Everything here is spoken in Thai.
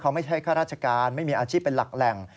เขาไม่ใช่ข้าราชการไม่มีอาชีพเป็นหลักแหล่ง